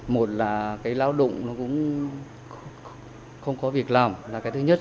một là cái lao động nó cũng không có việc làm là cái thứ nhất